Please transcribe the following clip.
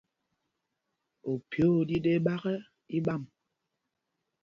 Ophyé o ɗí ɗēk ɓák ɛ, í ɓǎm.